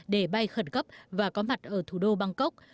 để bay khẩn cấp và có mặt ở thủ đô bangkok